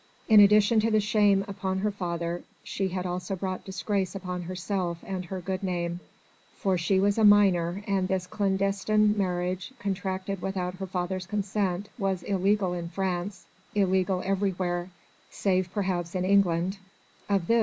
In addition to the shame upon her father, she had also brought disgrace upon herself and her good name, for she was a minor and this clandestine marriage, contracted without her father's consent, was illegal in France, illegal everywhere: save perhaps in England of this M.